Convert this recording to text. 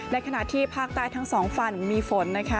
ขณะที่ภาคใต้ทั้งสองฝั่งมีฝนนะคะ